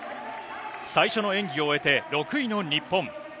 最初の演技を終えて６位の日本。